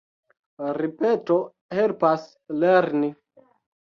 Ripeto helpas lerni.